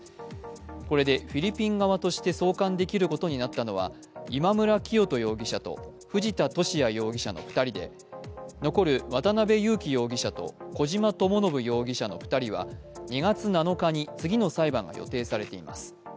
これでフィリピン側として送還できることになったのは今村磨人容疑者と藤田聖也容疑者の２人で残る渡辺優樹容疑者と小島智信容疑者の２人は２月７日に次の裁判が予定されています。